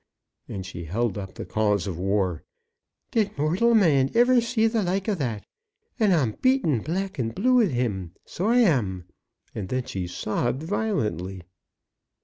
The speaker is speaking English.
and she held up the cause of war. "Did mortial man iver see the like of that? And I'm beaten black and blue wid him, so I am." And then she sobbed violently.